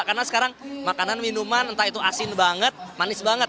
karena sekarang makanan minuman entah itu asin banget manis banget